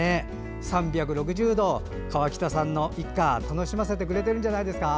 ３６０度、河北さんの一家を楽しませてくれてるんじゃないですか。